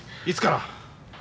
いつから？